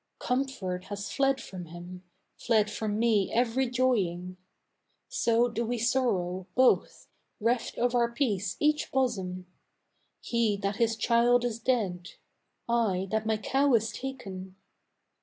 Comfort has fled from him; fled from me every joying. So do we sorrow, both, reft of our peace each bosom: He that his child is dead I that my cow is taken.